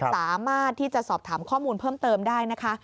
สามารถที่จะสอบถามข้อมูลเพิ่มเติมได้นะคะ